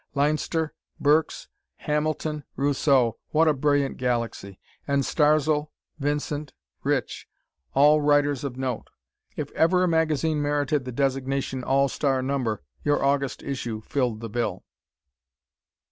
Leinster, Burks, Hamilton, Rousseau what a brilliant galaxy! And Starzl, Vincent, Rich; all writers of note. If ever a magazine merited the designation "all star number," your August issue filled the bill.